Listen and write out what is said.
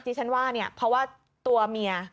ที่ฉันว่าเนี่ยเพราะว่าตัวเมีย